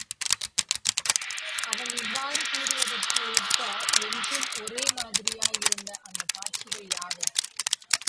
அவன் இவ்வாறு கூறுவதற்கு ஏற்ப, என்றும் ஒரே மாதிரியாயிருந்த அந்தக் காட்சிகள் யாவை?